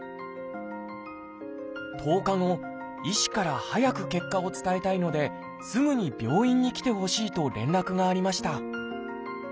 １０日後医師から早く結果を伝えたいのですぐに病院に来てほしいと連絡がありました